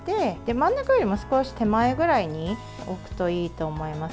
真ん中よりも少し手前ぐらいに置くといいと思います。